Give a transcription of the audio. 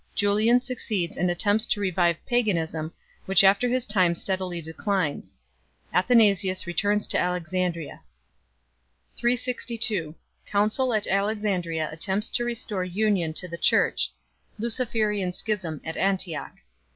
Julian succeeds and attempts to revive paganism, which after his time steadily declines. Athanasius returns to Alexandria. 362 Council at Alexandria attempts to restore union to the Church. Luciferian schism at Antioch.